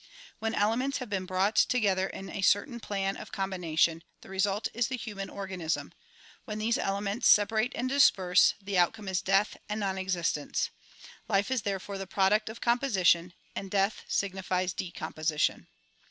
AVhen elements have been brought together in a certain plan of com bination the result is the human organism ; when these elements sepa rate and disperse, the outcomeisdeathandnon existence. Lifeisthere fore the product of composition, and death signifies decomposition.